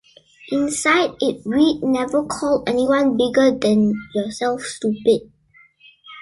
Inside it read "Never call anyone bigger than yourself stupid".